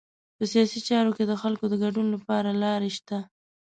په سیاسي چارو کې د خلکو د ګډون لپاره لارې شته.